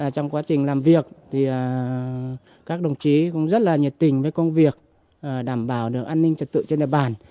trong quá trình làm việc thì các đồng chí cũng rất là nhiệt tình với công việc đảm bảo được an ninh trật tự trên địa bàn